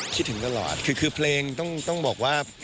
คิดถึงตลอดคือเพลงต้องบอกว่า